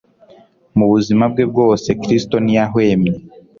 Mu buzima bwe bwose Kristo ntiyahwemye